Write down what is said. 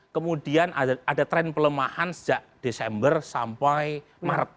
kemudian ada tren pelemahan sejak desember sampai maret dua ribu dua puluh tiga